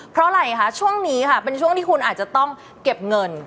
เพราะอะไรคะช่วงนี้ค่ะเป็นช่วงที่คุณอาจจะต้องเก็บเงิน